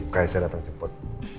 kayaknya saya datang cepet